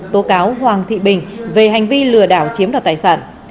tố cáo hoàng thị bình về hành vi lừa đảo chiếm đoạt tài sản